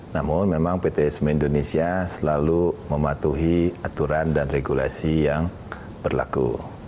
namun memang pt semen indonesia selalu mematuhi aturan dan regulasi yang berlaku